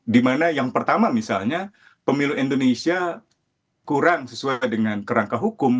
dimana yang pertama misalnya pemilu indonesia kurang sesuai dengan kerangka hukum